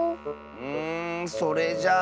うんそれじゃあ。